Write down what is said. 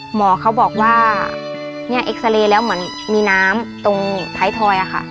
หมอเขาบอกว่าเนี่ยเอ็กซาเรย์แล้วเหมือนมีน้ำตรงท้ายทอยอะค่ะ